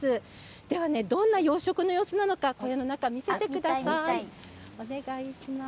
では、どんな養殖の様子なのか小屋の中を見せていただきたいと思います。